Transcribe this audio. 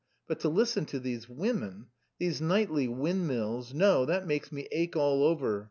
But to listen to these women, these nightly windmills no, that makes me ache all over!